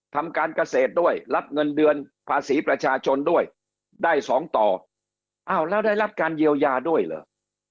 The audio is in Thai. ทำการเกษตรด้วยรับเงินเดือนภาษีประชาชนด้วยได้สองต่ออ้าวแล้วได้รับการเยียวยาด้วยเหรอ